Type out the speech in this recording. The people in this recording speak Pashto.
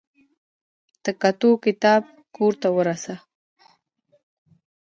تکتو کتاب کور ته ورسه.